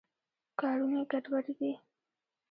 کارونه یې ګډوډ دي.